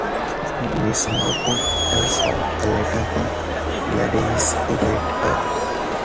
When Miss Marple returns home, a letter from Gladys awaits her.